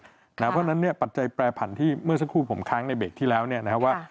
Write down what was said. เพราะฉะนั้นเนี่ยปัจจัยแปรผันที่เมื่อสักครู่ผมค้างในเบรกที่แล้วเนี่ยนะครับว่า